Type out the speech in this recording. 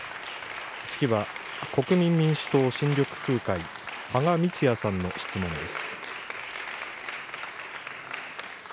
次は国民民主党・新緑風会、芳賀道也さんの質問です。